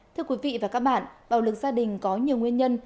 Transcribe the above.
thưa quý vị và các bạn bạo lực gia đình có nhiều nguyên nhân